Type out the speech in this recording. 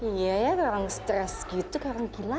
iya ya sekarang stres gitu sekarang gila